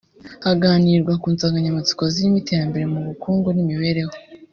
haganirwa ku nsanganyamatsiko zirimo; iterambere mu bukungu n’imibereho